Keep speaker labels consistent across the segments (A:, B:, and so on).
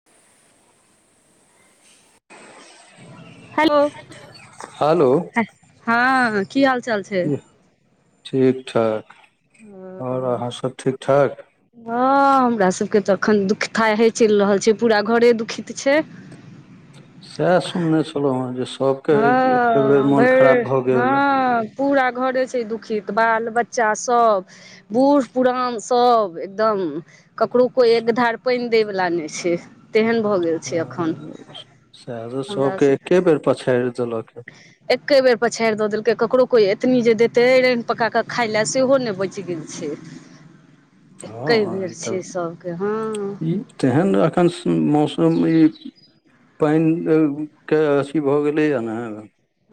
A: [inaudible] Hello, hello?
B: हँ की हाल चाल छै।
A: ठीक ठाक आओर अहाँ सब ठीक ठाक?
B: हँ हमरा सबके तऽ एखन दुखता हे चल रहल छै पूरा घरे दुखित छै
A: से सुनने छलहुँ हेँ जे सब
B: हँ भैर हँ। हँ पूरा घरे छै दुखित बाल बच्चा सब। बूढ़-पुरान सब एकदम ककरो कोई एक धार पैन देै बला नय छै। तेहन भऽ गेल। छै एखन
A: ह [unintelligible]
B: हमरा
A: सबके
B: सब
A: एके बेर पछड़ि देलक ह
B: एके बेर पछाड़ि द देलकै ककरो कोई एतनी जे देते रेन पका क खाय ले सेहो ने बच गेल छै।
A: हँ-हँ
B: एके बेर
A: आई
B: छै
A: केल
B: सबके हँ
A: ई तेहन एखन मौसम इ पाइन के अथी भऽ गेलैये ने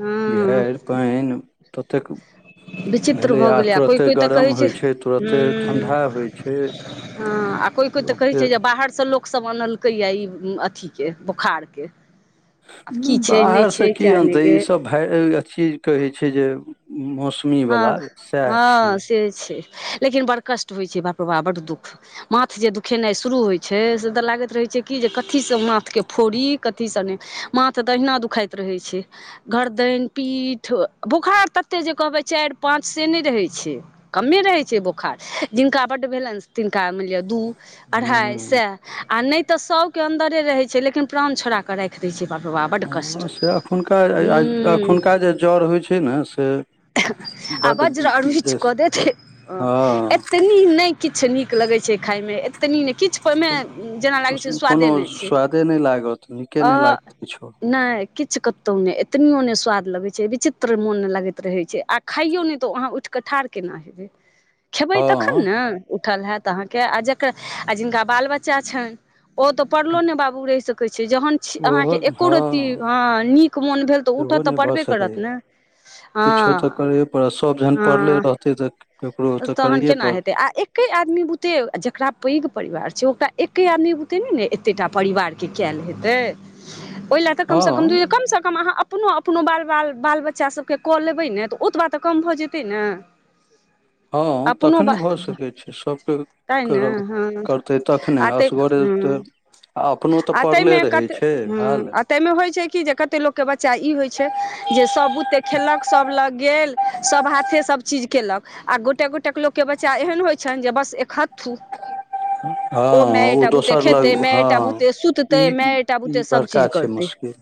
B: हँ
A: बीहर पाइन ततेक
B: विचित्र
A: भेलैए
B: भऽ गेलैये आ कोइ
A: तुरते
B: कोइ तऽ
A: गरम
B: कहैय
A: होइ
B: छैय
A: छै तुरते ठण्डा
B: हूँ
A: होइ छै
B: हँ आ कोइ कोइ तऽ कहै
A: लोकके
B: छैय जे बाहर स लोक सब आनलकै ये ई अथी के बोखार के
A: बाहर स की
B: किया नहि
A: अनतै ई
B: गे
A: सब भैय अथी कहै छैय जे मौस
B: हँ हँ से छैय लेकिन बड़ कष्ट होय छैय बाप रौ बाप बड़ दुःख माथ जे दुखेनाय जे शुरू होइ छैय से तऽ लागत रहैत छैय कि जे कथी स माथ के फोड़ी कथी सँ ने माथ दहिना दुखाइत रहैय छैय गरदनि पीठ बोखार तते जे कहबै चार पाँच से नय रहैय छैय कमे रहै छैय बोखार जिनका बड्ड भेलन तिनका मानि लीयन दू अढ़ाइ
A: हूँ
B: सय आ नय तऽ सभके अन्दरे रहैत छैय लेकिन प्राण छोड़ा के क राखि दैय छैय बाप रे बाप बड कष्ट
A: हँ
B: हूँ
A: जर होय छैय ने से
B: अ
A: बड्ड
B: बज्र अरूचि
A: बेस
B: कऽ देत
A: हँ
B: एते नी नय किछ नीक लगैय छै खााय मे तनी नय किछ पे मे जेना लागै छैय स्वादे
A: कोनो
B: नय छैय
A: स्वादे नहि लागत नीके नहि
B: अह
A: लागत किछो
B: नय किछ कतौ ने एतनियो ने स्वाद लगै छैय विचित्र मोन लागैत रहै छैय आ खाइयो नहि त अहाँ उठि कऽ ठाढ़ केना हेबै। खेबै तखन
A: हँ
B: ने उठल हैत अहाँके आ जकरा आ जकर आ जिनका बाल बच्चा छैन ओ तऽ पड़लो नय बाबू रहि सकै छैय जहन अहाँके एको रत्ती हँ नीक मोन भेल तऽ
A: सेहो
B: उठऽ
A: नहि
B: तऽ
A: भऽ
B: पड़बे
A: सकैए
B: करत ने हँ
A: किछो त करैये पड़त सभ जहन पड़ले
B: हँ
A: रहतैय तऽ ककरो तऽ
B: तहन
A: करैये
B: केना
A: पड़त
B: हेतै आ एके आदमी बुते जेकरा पैघ परिवार छैय ओकरा एके आदमी बुते नहि ने एतेटा परिवार के कयल हेतै ओहि ल तऽ कम सँ कम
A: हँ
B: दूइयो कम सँ कम अहाँ अपनो अपनो बाल-बाल-बाल बच्चा त के कऽ लेबै ने तऽ ओतबा तऽ कम भऽ जेतै ने
A: हँ
B: अपनो
A: तखने
B: बा
A: भऽ सकै छैय सभके
B: तैँ ने
A: करत
B: हँ
A: करतै तख तखने
B: आ ताहि
A: असगरे
B: हँ
A: तऽ आ अपनो तऽ पड़ले रहैय छैय हाल
B: तैय मे होय छैय कि जे कते लोक के बच्चा ई होय छैय जे सब बुते खेललक सब लग गेल सभ हाथे सभ चीज केलक आ गोटे गोटे लोक के बच्चा एहन होय छन्हि जे बस एकहथू
A: हँ
B: ओ माये टा बुते
A: दोसर लग
B: खेतय माये टा
A: हँ
B: बुते
A: ई
B: सुततय माये टा
A: ई
B: बुते सब
A: बड़का
B: चीज
A: छै
B: करतै
A: मुश्किल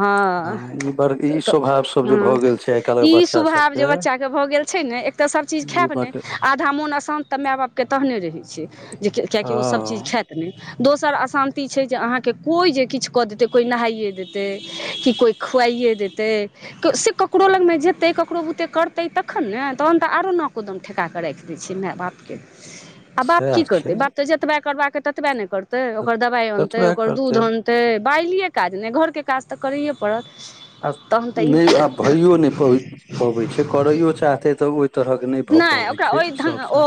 B: हँ
A: हँ ई बड़
B: त
A: ई
B: तऽ
A: स्वभाव सब जे भऽ
B: हूँ
A: गेल छै आइ काल्हि
B: ई
A: बच्चा
B: स्वभाव जे
A: सबके
B: बच्चा के भऽ गेल छैय ने एक तऽ सब चीज
A: ई
B: खायब नहि
A: बड
B: आधा मोन अशान्त तऽ माय बापके तब ने रहैय छैय जे कियेकि ओ सब चीज
A: हँ
B: खायत नहि दोसर अशान्ति छैय जे अहाँके कोय जे किछु कऽ देतै कोइ नहाइये देतै कि खुआइये देतै से क ककरो लग मे जेतै ककरो बुते करतै तखन ने तहन तऽ आरो नाको दम ठेका कऽ राखि दैय छैय माय बाप के
A: [inaudible]
B: आ बाप की
A: सएह छै
B: करतै बाप तऽ जतबे करबाक ततबे ने करतै ओकर दबाइ अनतै
A: ततबे
B: ओकर दूध
A: करतै
B: अन तै बाइलिये काज ने घरके काज तऽ करैये पड़त
A: अस
B: तहन तऽ
A: नहि
B: ई
A: आ भइयो यो नहि पबै छैय करैयो चाहतै तऽ ओहि तरहक नहि भऽ पबै छैम सबसँ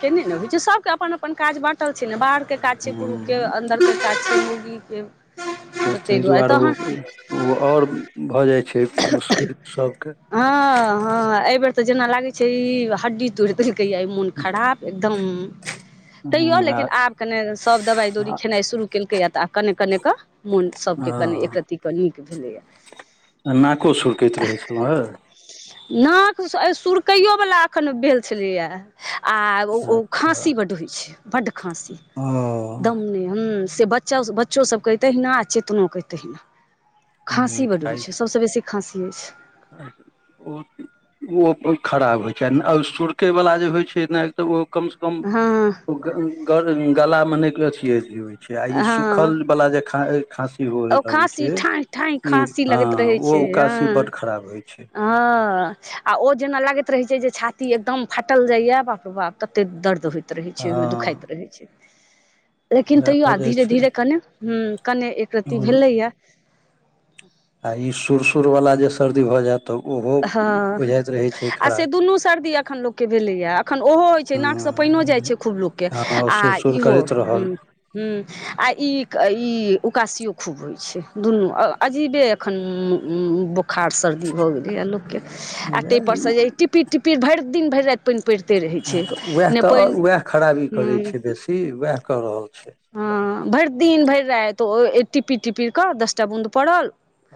B: केने ने होय छैय सबके अपन अपन काज बाँटल छैय ने बाहर के काज छैय पुरुक के
A: हूँ
B: अन्दरके काज छैय मौगी के
A: तऽ तैय दुआरे ओ ओ आओर भऽ जाय छैय मुश्किल सबके
B: हँ हँ अहि बेर ते जेना लागय छैय ई हड्डी तोड़ि देलकैहे मोन खराब एकदम तैयो
A: हूँ आ
B: लेकिन आब कने सब दवाइ दौरी खेनाय शुरू केलकैये तऽ आब कने कने के मोन सभके कने एक
A: हँ
B: रत्ति क नीक भेलैया
A: नाको सुुरकैत रहै छलो ह
B: नाक एह सुरकैयो वला एखन भेल छलैया आ ओ
A: अच्छा
B: खाँसी बड होय छैय बड खाँसी
A: ओ
B: दम नै हु से बच च बच्चो सब के तहिना चेतनो के तहिना
A: हूँ
B: खाँंसी बड होय छै सबसे बेसी खाँसी [unintelligible]
A: [unintelligible] अपन खराब होइ छै आ सुरकैवला होइ छै न तऽ ओ कम से कम
B: हँ
A: [unintelligible] गला मे नै [unintelligible] से आई
B: हँ
A: सुखल बाला जे खाँ खाँसी हो
B: ओ
A: लगै
B: खाँसी
A: छैय
B: ठाँय ठाँय खाँसी
A: ह
B: लगैत
A: ओ उकासी बड खराब होइय छैय
B: हं आ ओ जेना लागैत रहैय छै जे छाती एकदम फाटल जाइया बाप रे बाप तते दर्द होय रहै छै ओय में
A: हँ
B: दुखाइत रहै छै लेकिन
A: उएह
B: तैयो आ
A: भऽ जाइ
B: धीरे धीरे कने हुँ कने एक रत्ती
A: छै
B: भेलैया
A: आ ई सुर सुर वाला जे सर्दी भऽ जैत
B: हँ आ से
A: खराब
B: दुनू सर्दी एखन लोक के भेलै आब खन ओहो होय छै नाक स पाइनो जाइ
A: हँ
B: छै खूब लोक केँ
A: हँ
B: आ
A: सुर-सुर
B: इहो
A: करैत रहल
B: हुँ हुँ आ ई ई उकासियो खूब होइ छै दुनू अजीबे खन [unintelligible] बोखार सर्दी भऽ गेल हो यऽ लोक केँ आ तै पर स यै टिपीर टिपीर भैर दीन भैर राइत पाइन पैड़ते
A: उएह तऽ उएह खराबी करै
B: हूँ
A: छै बेसी उएह कऽ रहल छैय
B: हँ भैर दीन भैर राइत ओ टिपीर टिपिर कऽ दस टा बूंद पड़ल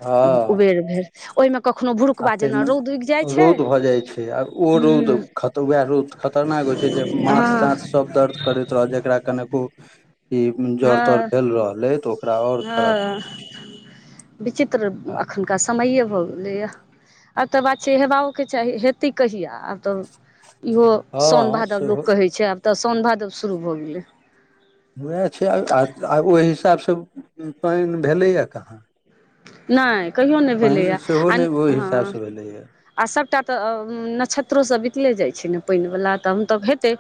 A: हँ
B: उबेर भेल ओइ म कखनो
A: आ
B: भुरुकबा जेना
A: ताहिमे
B: रौद उग जाइ छै
A: रौद भऽ जाइ आ ओ रौद
B: हूँ
A: खत वयाह रौद खतरनाक होइत छै जे माथ ताथ
B: हँ
A: सभ दर्द करैत रहल जेकरा कने उ ई जर तर
B: हँ
A: भेल रहल ऐय तऽ ओकरा और खराब करै छै
B: [unintelligible] विचित्र अखनका समय भऽगेल भैलै यऽ आब तऽ बात छै हेबाउ केँ चाही हेतै कहिया आब तऽ इहो
A: हँ
B: सौन भादव लोक
A: सेहो
B: कहेै छै आब तऽ सौन भादव शुरू भऽ गेलै
A: उएह छै
B: तऽ
A: आ [unintelligible] ओइ हिसाब स पाइन भेलै या काहाँ
B: नै कहियो नै भेलैया
A: सेहो
B: आ हं
A: नहि ओहि हिसाबसँ भेलैए
B: [inaudible] आ सभटा तऽ नक्षेत्रो सब बितले जाय छै न पाइन वला तहन तऽ हेतै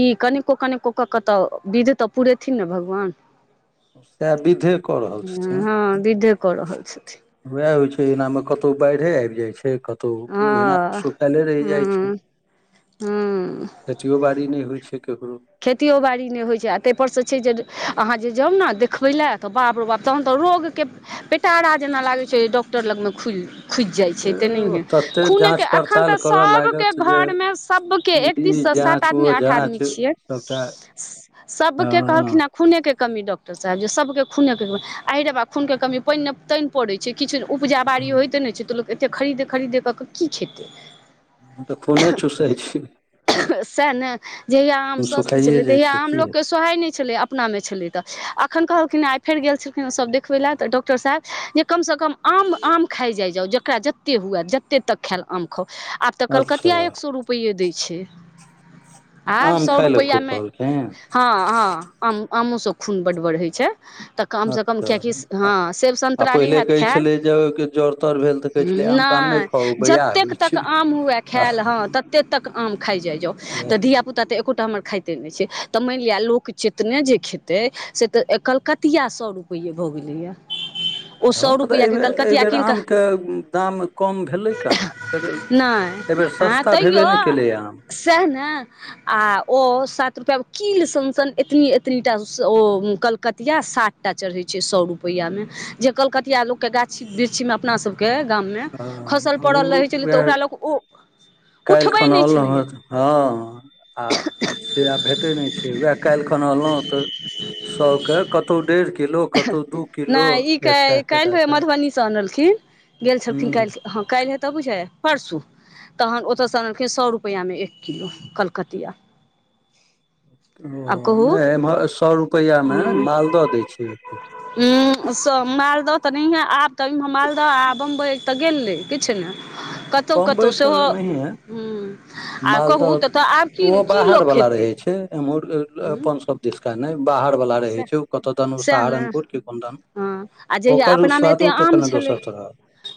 B: ई कनिको कनिको कऽ कऽ तऽ विध तऽ पूरेथिन न भगवान
A: सैह विधे कऽ रहल छथिन
B: हँ विधे कऽ
A: [inaudible]
B: रहल छथिन
A: उहै होइ छै एनामे कतऔ बैढ़े ऐैब जाइ छै कतौ तो ओहिना
B: हँ
A: सुखले रैह जाय छै
B: हँ
A: [inaudible]
B: हँ
A: खेतियो बाड़ी नै होय छैय केकरो
B: खेतीयो बाड़ी नै होय छै आ तैय पर से छै जे अहाँ जे जाउ न देखबै लेए तऽ बाप रे बाप तहन तऽ रोगके पेटारा जेना लागै छै डॉक्टर लग मे खुलि खुइज जाय छै तेनैहीये
A: तते जाँच
B: खूनेक एखन
A: पड़ताल
B: तऽ
A: करय
B: सब केँ
A: लागत जे
B: घर मे सब केँ एक
A: ई
B: दिस सात
A: जाँच
B: आदमी
A: ओ
B: आठ
A: जाँच
B: आदमी छियै [inaudible]
A: सभटा
B: सब केँ कहलखिन
A: हँ
B: य खूने कऽ कमी डॉक्टर साहेब जे सब केँ खूने केँ कमी आय रे बा खून केँ कमी पाइन नै तैन पड़ै छै किछ उपजा बाड़ी होइते नै छै तऽ लोक एतेक खरीदे खरीदे कऽ की खेतै
A: तऽ खूने चुसै छै
B: [unintelligible] सेह न जहियाँ आम ओइ छै
A: सुखाइए
B: लै
A: जाइ
B: तहिया आम
A: की
B: लोक केँ
A: हेतै
B: सोहाय नै छेलै अपना मे छलै तऽ अखन कहलखिन आइ फेर गेल छलखिन सब देखबै लए तऽ डॉक्टर साहेब जे कम सँ कम आम आम खाइ जाइ जाउ जकरा जत्ते हुए जत्ते तक खाएल आम खाउ आब तऽ
A: अच्छा
B: कलकतिया एक सौ रुपैये दै छै [inaudible] आब
A: आम
B: सौ
A: खाय लए
B: रुपैया
A: खूब
B: मे
A: कहलखिन
B: हँ हँ आम आमो सब खूब बड़ बढ़हैय छै तऽ कम सँ कम किएकि
A: अच्छा
B: हँ सेब
A: आ
B: सन्तरा नै
A: पहिले
B: होैत
A: कहै
B: खैल
A: छलै जे जर तर भेल तऽ
B: [inaudible]
A: कहै छलै आम ताम नहि
B: नै
A: खाउ बया
B: जतेक
A: होइ
B: तक
A: छै
B: आम हुए
A: आ
B: खायल हँ तत तते तक आम खा जाइ जाउ तऽ धिया पुता तऽ एकोटा हमर खाइते नै छै तऽ माइनलिअ लोक चतने जे खेतै से तऽ कलकतिआ सौ रुपैये रुपैये भऽ गेलैया
A: [inaudible] हँ पर एहि बे एहिबेर आम कऽ दाम कम भेलै कहाँ बेेर
B: नै हँ तैयो
A: आम
B: सेह न आ। ओ सात रुपआ म कील सन सन एतनी एतनीटा ओ कलकतिया सात टा चढ़ै छै सौ रुपैआ मे जे कलकतिया लोक केँ गाछी वृक्षी में अपना सभ केँ गाम में खसल
A: हँ
B: पड़ल
A: ओ
B: रहै छलै तऽ
A: उएह
B: ओकरा लोक [inaudible] ओ उठबै नै छलैया।
A: हऽ आब से आब भेटै नै छै उहे काइल खन आनलौ तऽ सै केँ कतौ डेढ़ किलो कतौ दू किलो एक सै केँ दैय कऽ
B: स अनलखिन गेल छलखिन काइल हँ काइले हे तऽ बुझ परसू तहन ओत स अनलखिन सौ रुपैआ में एक किलो कलकतिया।
A: ओ
B: आब कहू
A: नै एम्हर सौ रुपैया में मालदह दै छिय एक किलो
B: हु सौ मालदह तऽ नै है आब तऽ मालदह आ बम्बई तऽ गेल रहे किछ नै
A: किलो
B: कतौ कतौ
A: बम्बइ तऽ
B: सेहो
A: नहिये
B: हु [inaudible] आ कहू
A: मालदह
B: तऽ आब की।
A: ओहो
B: की
A: बाहर
B: लोक
A: वाला
B: खेतै
A: रहै छै।
B: उंम्म
A: [unintelligible] दिशका नै बाहर वला रहै
B: सएह
A: छै ओ कतदन
B: सएह ने
A: सहारनपुर कोन दन
B: हँ आ जहिया
A: ओकर
B: अपनामे
A: स्वादो
B: एते
A: तऽ
B: आम
A: कने दोसर
B: छलै।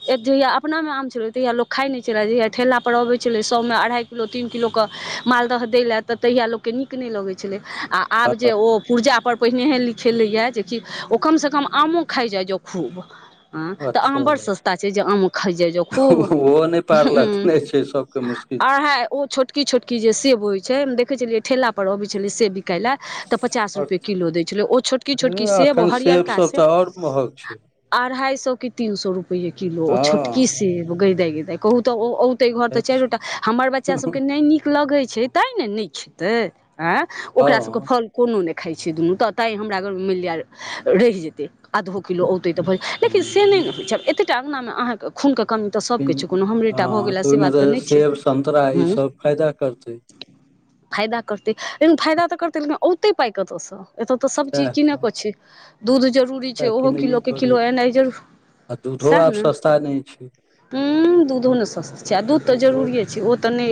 B: जहिया अपना में आम छलै तहिया लोक खाइ नै छलै जहिया ठेला पर अबै छलै सौ में अढ़ाई किलो तीन किलो कऽ मालदह दै लए तऽ तहिया लोककेँ नीक नै लगै छलै आ। आब जे
A: तरहक
B: ओ पुर्जा पर। पहिनेहन लिखेलैए जेकि ओ कमसँ कम आमो खाइ जाए जे खूब हँ तऽ
A: अच्छा
B: आम बड़ सस्ता छै जे आम ख जा जो खूब
A: ओहो नहि पारलक नहि छै सबके
B: [unintelligible]
A: मुश्किल
B: अरहाई ओ छोटकी छोटकी जे सेब होइत छै हम देखै छलियै ठेला पर अबै छलियै सेब बिकाइ लए तऽ पचास रुपे। किलो दै छलै ओ छोटकी छोटकी सेब
A: एखन
B: हरियरका
A: सब
B: सेब
A: तऽ आओर महग छै
B: अढ़ाई सौ की तीन सौ रुपैये किलो ओ छोटकी
A: हँ
B: सेब गइ दाइ गइ दाइ कहू तऽ तै घर तऽ चाइरोटा हमर बच्चा सभ केँ नै नीक लगै छै तै ने नै खेतै अय ओकरा सब कऽ
A: हँ
B: फल कोनो ने खाई छै है दुनू तऽ तैँ हमरा घर मिल जै रहय जेतै आधो किलो औतै तऽ भजैत लेकिन से नै होइ छै एतेटा अँगना अहाँ कऽ।। खुन कऽ कमी सब कऽ छै कोनो हमरेटा भऽ
A: हँ
B: गेल से
A: ओहिमे
B: बात तऽ नै छै।
A: सेब संतरा ई सब फायदा करतै
B: [unintelligible] फायदा करत लेकिन फायदा तऽ करत लेकिन अऔते पाय कऽ तऽ स। एतय तऽ सभचीज किनैके छै। दूध जरूरी छै
A: सएह
B: ओहो
A: किनैये
B: किलो कऽ
A: पड़ै
B: किलो
A: छै
B: एनाइ जरू
A: आ
B: [inaudible]
A: दूधो
B: सएह
A: आब
B: न
A: सस्ता नहि छै
B: हु दूधो नै सस्त छै आ दूध तऽ
A: ओहो
B: जरूरिछै ओ तऽ नै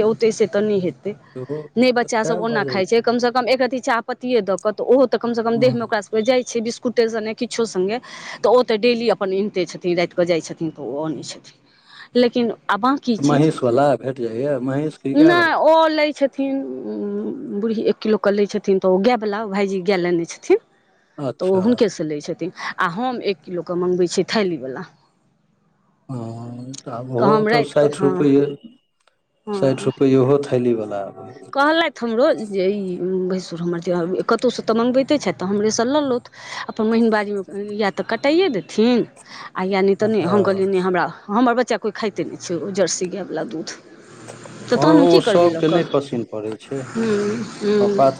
B: तऽ नै हेतै
A: ओहो
B: नै
A: तऽ
B: बच्चा सब
A: सएह
B: ओना
A: भऽ जाइ
B: खाइ छै कम से कम एक रती चायपत्ती दऽ कऽ तऽ ओहो तऽ कम स कम देह में
A: हँ
B: ओकरा सब क जाइ छै बिस्कुटे सनै किछो संगे तऽ ओ तऽ डेली अपन अनिते छथिन रात कऽ जा। इत छथिन तऽ। ओ अनैत छथिन लेकिन आ बकी चीज
A: महीषवला भेट जाइए महीष कि
B: [inaudible] नै
A: गायवला
B: ओ लै छै। छथिन बूढ़ी एक किलो केँ लै छथिन तऽ ओ गाए वला भायजी गाए लेने छथिन तऽ ओ
A: अच्छा
B: हुनके स लै छथिन आ हम एक किलो कऽ मंगबै छियै थैलीवला
A: [unintelligible] तऽब ओहो तऽ
B: राति कऽ
A: साइठ
B: हँ
A: रुपैए साइठ
B: हँ
A: रुपैये थैलीवाला बला।
B: कहलथि हमरो जे ई भैंसुर हमर तिौहार कतहुसँ तऽ मँगबैते छथि तऽ हमरेसँ लऽ लौथ अपन महीन बाजैमे यए तऽ कटाइए देथिन। आ या नहि तऽ
A: हँ
B: नहि हम
A: हँ
B: कहलियैनि नहि हमरा हमर। बच्चा कोइ खाइते नहि छै ओ जर्सी गाएवला दूध तऽ तहन की करबै
A: सब
B: लऽ
A: के
B: कऽ
A: नहि पसीन पड़े छै
B: हूँ हूँ
A: पात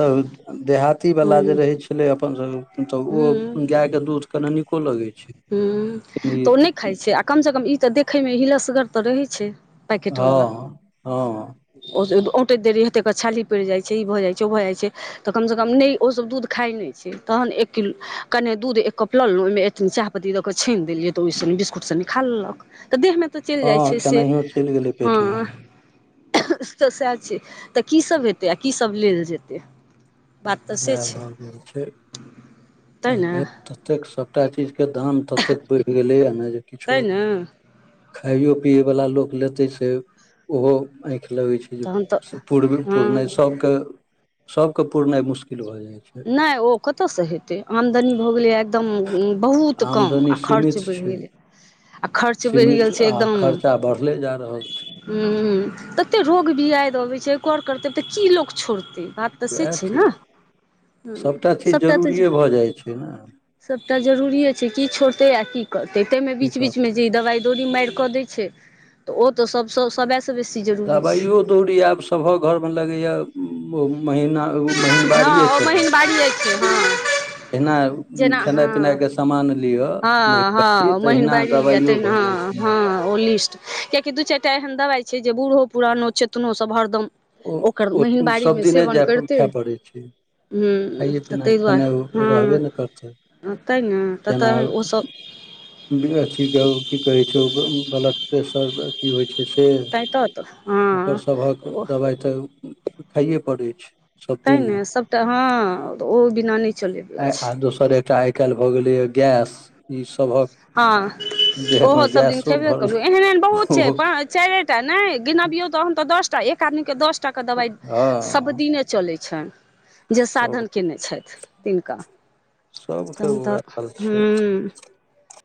A: देहाती वाला
B: हूँ
A: जे रहे छै छलै अपन तऽ ओ
B: हूँ
A: गायके दूध कनि नीको लगै छै
B: हू तऽ ओ नहि खाइ छै आ कमसँ कम ई तऽ देखैमे हिलसगर तऽ रहै छै पैकैटबला
A: हँ हँ
B: ओ औंैत देरी हेते छाली पड़ि जाइत छै ई भऽ जाइत छै ओ भऽ जाइ छै तऽ कमसँ कम नहि ओसभ दूध खाइत नहि छै तहन एक किलो कने दूध एक कप लेलऽ लेलहुँ ओहिमे एथिन चाह पी द कऽ छानन देलिय तऽ ओहि बिस्कुट सब निकालक तऽ देहमे तऽ चलि जाइ
A: हँ
B: छै से
A: केनाहियो चलि गेलै पेट मे
B: हँ तऽ सएह छै तऽ कीसभ हेतै आ कीसभ लेल जेतै बात तऽ से
A: इएह
B: छै
A: भऽ गेल छै
B: तैँ
A: आय
B: ने
A: काल्हि ततेक सभटा चीजके दाम ततेक बढ़ि गेलैए नहि जे किछो
B: तैँ ने
A: खााययो पिये वाला लोक लेते से ओहो आँखि लगे
B: तहन तऽ
A: छै पुरब
B: हँ
A: पुरनाइ सबके सबके पुरनाइ मुश्किल भऽ जाइ छै
B: नहि ओ कतऽसँ हेतै आमदनी भऽ गेलै एकदम बहुत कम
A: आमदनी
B: आ खर्च
A: सीमित
B: बढ़ि
A: छै
B: गेलै आ खर्च बढ़ि
A: सीमित
B: गेल छै
A: आ
B: एकदम
A: खर्चा बढ़ले जा रहल छै
B: हू तते रोग बियाद अबै छै कर करतै तऽ की लोक छोड़तै बात तऽ से छै नऽ
A: सभटा चीज जरूरिए भऽ जाइत छै नऽ
B: सभटा जरूरिे छै की छोड़तै आ की करतै ताहिमे
A: की
B: बीच बीचमे
A: करतै
B: जे ई दवाइ [unintelligible] छै ओ तऽ [unintelligible] सबसँ बेसी जरूरी छै
A: दबाइयो दौरी आब सभक घरमे लगैए ओ महिना महिन बारिए छौ
B: महिनबारिै छै हँ
A: एहिना
B: जेना
A: खेनाइ
B: हँ
A: पिनाइ के सामान लिअ
B: हँ
A: महंगाई
B: हँ महिन
A: तहिना
B: बाजल
A: दबाइयो
B: तहिना
A: भऽ जाइ छै
B: हँ
A: महंगाई
B: ओ लिस्ट कियकि दू चारि टा एहन दवाइ छै जे बूढ़ो पुरानो चेतनो सब हरदम
A: ओ
B: ओकर महीन बाड़ीमे सेवन करितै
A: ै छी
B: हू तऽ ताहि दुआरे हँ
A: रहबे ने करतै
B: तयन ओतै ने ततऽ ओसभ
A: [unintelligible] ठिक हो की कहै छै ओ ब्लड प्रेशर की होइ छै से
B: तैँ तऽ
A: ओकर
B: हँ
A: सभक
B: ओ
A: दबाइ तऽ खाईये पड़ैत छै सब दिने
B: तेने सबटा हँ ओ बिनाान
A: आ आ दोसर एकटा आइ काल्हि भऽ गेलैए गैस ईसभक
B: हँ ओहो सभ दिन खेबे करू एहन एहन बहुत छै
A: भरल
B: चार नहि गिनबियौ तहन तऽ दसटा एक आदमी के दस के दबाइ सब
A: हँ
B: दिने चलैत अछि जे
A: सब
B: साधन केने छथि तिनका
A: सबके
B: तहन तऽ
A: उएह हाल
B: हू
A: छै